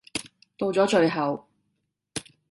到咗最後